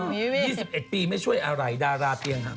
๒๑ปีไม่ช่วยอะไรดาราเตียงหัก